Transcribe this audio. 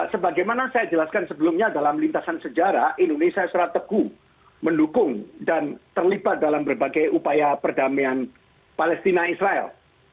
sebagaimana saya jelaskan sebelumnya dalam lintasan sejarah indonesia secara teguh mendukung dan terlibat dalam berbagai upaya perdamaian palestina israel